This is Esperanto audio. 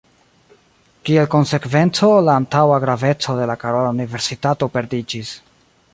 Kiel konsekvenco la antaŭa graveco de la Karola universitato perdiĝis.